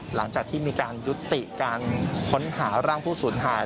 หลังจากที่มีการยุติการค้นหาร่างผู้สูญหาย